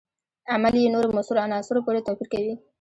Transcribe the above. عمل یې نورو موثرو عناصرو پورې توپیر کوي.